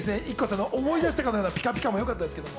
ＩＫＫＯさんの思い出したようなピカピカ！もよかったですけど。